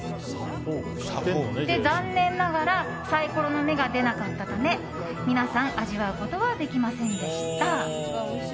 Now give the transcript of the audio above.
残念ながらサイコロの目が出なかったため皆さん味わうことはできませんでした。